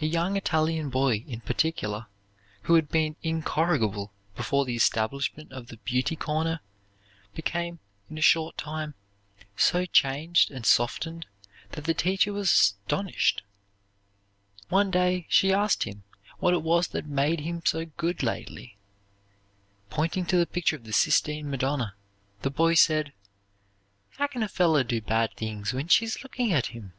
A young Italian boy, in particular, who had been incorrigible before the establishment of the "beauty corner," became, in a short time, so changed and softened that the teacher was astonished. One day she asked him what it was that made him so good lately. Pointing to the picture of the Sistine Madonna the boy said, "How can a feller do bad things when she's looking at him?"